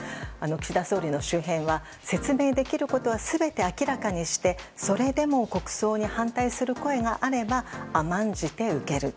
岸田総理の周辺は説明できることは全て明らかにしてそれでも国葬に反対する声があれば甘んじて受ける。